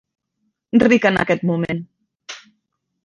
Ric en aquest moment.